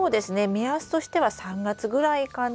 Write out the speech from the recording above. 目安としては３月ぐらいかな？